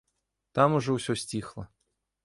Там ужо ўсё сціхла.